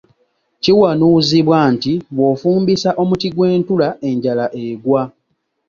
Kiwanuuzibwa nti bw'ofumbisa omuti gw'entula enjala egwa.